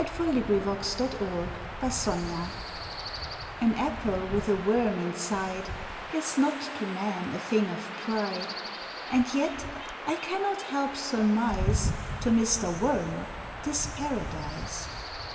July Ninth THE POINT OF VIEW AN apple with a worm inside "^ Is not to man a thing of pride, And yet I cannot help surmise To Mr. Worm tis Paradise.